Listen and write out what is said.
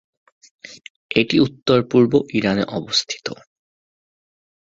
এটি উত্তর-পূর্ব ইরানে অবস্থিত।